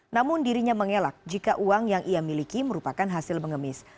namun dirinya mengelak jika uang yang ia miliki merupakan hasil mengemis